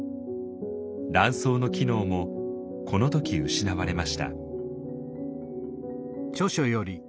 卵巣の機能もこの時失われました。